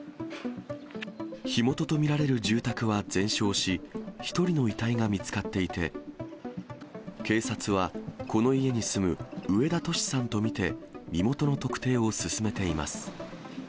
火元と見られる住宅は全焼し、１人の遺体が見つかっていて、警察は、この家に住む上田トシさんと見て、身元の特定を進めています。